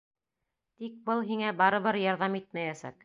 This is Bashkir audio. Тик был һиңә барыбер ярҙам итмәйәсәк.